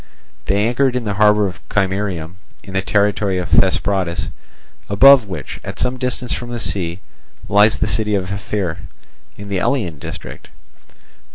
They anchored in the harbour of Chimerium, in the territory of Thesprotis, above which, at some distance from the sea, lies the city of Ephyre, in the Elean district.